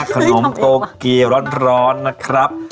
ขนมโตเกียวร้อนร้อนนะครับ